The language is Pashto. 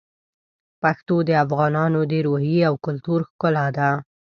پښتو د افغانانو د روحیې او کلتور ښکلا ده.